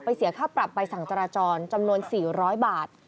เสียค่าปรับใบสั่งจราจรจำนวน๔๐๐บาท